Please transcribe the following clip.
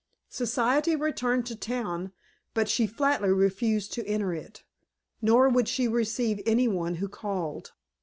Society returned to town, but she flatly refused to enter it. Nor would she receive any one who called.